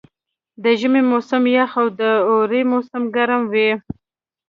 د ژمي موسم یخ او د اوړي موسم ګرم وي.